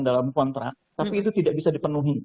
dalam kontrak tapi itu tidak bisa dipenuhi